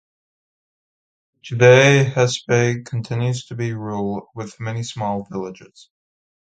Today Hesbaye continues to be rural, with many small villages.